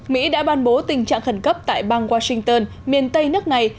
mỹ đã ban bố tình trạng khẩn cấp tại bang washington miền tây nước này